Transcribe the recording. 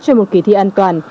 cho một kỳ thi an toàn